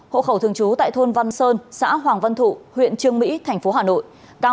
hộ khẩu thường trú tại thôn văn sơn xã hoàng văn thụ huyện trương mỹ tp hcm